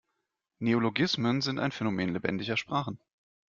Neologismen sind ein Phänomen lebendiger Sprachen.